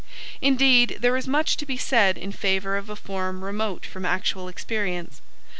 Indeed, there is much to be said in favour of a form remote from actual experience.